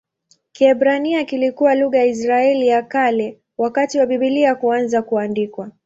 Kiebrania kilikuwa lugha ya Israeli ya Kale wakati wa Biblia kuanza kuandikwa.